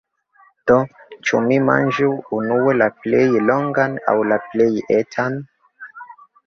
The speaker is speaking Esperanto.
Do, ĉu mi manĝu unue la plej longan, aŭ la plej etan?